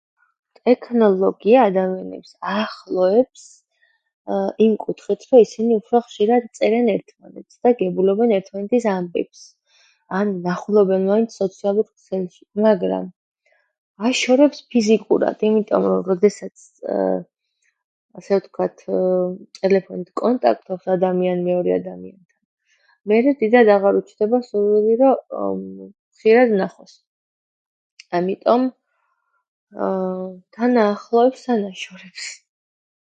ტექნოლოგია ადამიანებს აახლოებს იმ კუთხით, რომ ისინი უფრო ხშირად წერენ ერთმანეთს და გებულობენ ერთმანეთის ამბებს ან ნახულობენ მათ სოციალურ ქსელში, მაგრამ აშორებს ფიზიკურად იმიტომ, რომ როდესაც, ასე ვთქვათ, ტელეფონით კონტაქტობს ადამიანი მეორე ადამიანთან, მერე დიდად აღარ უჩდება სურვილი, რომ ხშირად ნახოს. ამიტომ, თან აახლოებს, თან აშორებს.